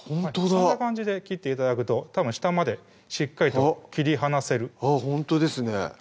そんな感じで切って頂くと下までしっかりと切り離せるあっほんとですね